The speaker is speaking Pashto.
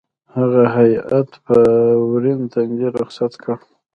هغه هېئت یې په ورین تندي رخصت کړ.